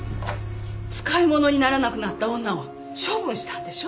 使い物にならなくなった女を処分したんでしょ。